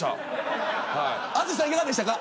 淳さん、いかがでしたか。